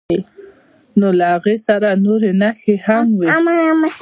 نو له هغې سره نورې نښې هم وي.